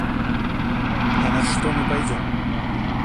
А на что мы пойдем?